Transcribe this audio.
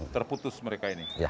terputus mereka ini